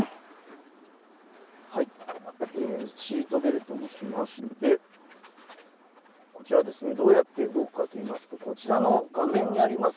シートベルトもしまして、こちらどうやって動くかといいますと、こちらの画面にあります